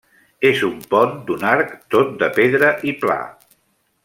És un pont d'un arc tot de pedra i pla.